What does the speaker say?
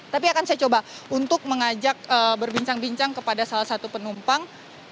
tapi akan saya coba untuk mengajak berbincang bincang kepada salah satu penumpang